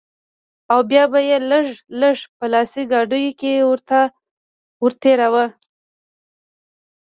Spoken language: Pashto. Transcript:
او بيا به يې لږ لږ په لاسي ګاډيو کښې ورتېراوه.